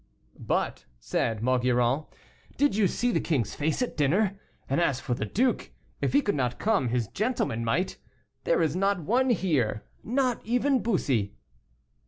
"But," said Maugiron, "did you see the king's face at dinner? And as for the duke, if he could not come, his gentlemen might. There is not one here, not even Bussy."